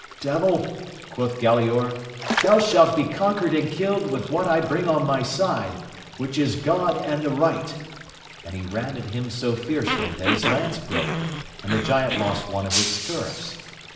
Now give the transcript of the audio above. Devil ! quoth Galaor, thou shalt be conquered and killed with what I bring on my side, which is God and the right ; and he ran at him so fiercely that his lance broke, and the giant lost one of his stirrups.